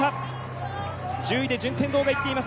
１０位で順天堂がいっています。